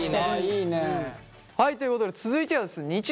はいということで続いてはですね